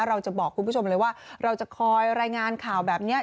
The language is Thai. เราจะบอกคุณผู้ชมเลยว่าเราจะคอยรายงานข่าวแบบนี้